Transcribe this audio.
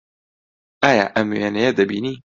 ئایا ئەم وێنەیە دەبینی؟